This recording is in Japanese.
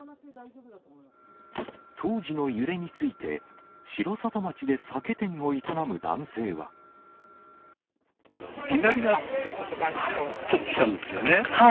当時の揺れについて、城里町で酒店を営む男性は。